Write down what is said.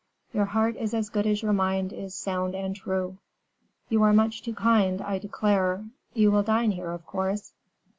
"Your heart is as good as your mind is sound and true." "You are much too kind, I declare. You will dine here, of course?"